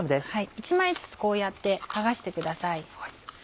１枚ずつこうやって剥がしてください。